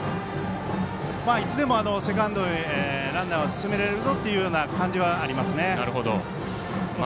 いつでもセカンドへランナーは進められるぞという感じはありますね。